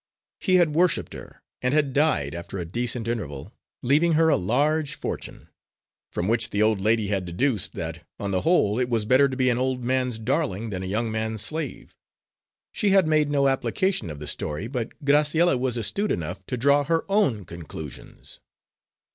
He had worshipped her, and had died, after a decent interval, leaving her a large fortune. From which the old lady had deduced that, on the whole, it was better to be an old man's darling than a young man's slave. She had made no application of the story, but Graciella was astute enough to draw her own conclusions.